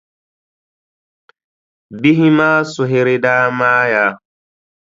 Bihi maa suhiri daa maaya.